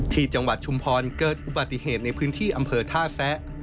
ที่จังหวัดชุมพรเกิดอุบัติเหตุในพื้นที่อำเภอท่าแซะ